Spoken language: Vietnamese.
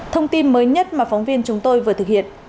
thông tin mới nhất mà phóng viên chúng tôi vừa thực hiện